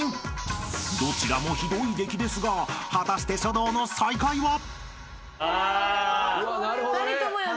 ［どちらもひどいできですが果たして書道の最下位は？］